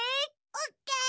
オッケー。